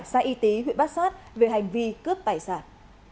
xã y tý huyện bát sát về hành vi cướp tài sản